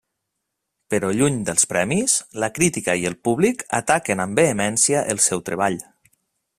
Però lluny dels premis, la crítica i el públic ataquen amb vehemència el seu treball.